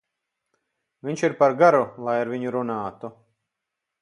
Viņš ir par garu, lai ar viņu runātu.